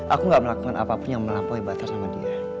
aku gak melakukan apapun yang melampaui batas sama dia